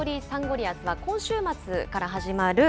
リアスは、今週末から始まる